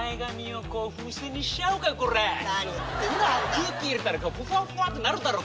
空気入れたらふわってなるだろ。